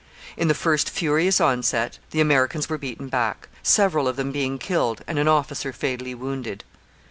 In the first furious onset the Americans were beaten back, several of them being killed and an officer fatally wounded.